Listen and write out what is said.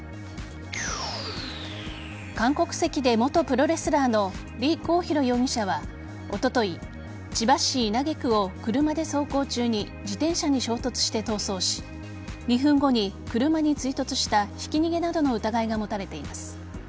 韓国籍で元プロレスラーの李こう晧容疑者はおととい千葉市稲毛区を車で走行中に自転車に衝突して逃走し２分後に、車に追突したひき逃げなどの疑いが持たれています。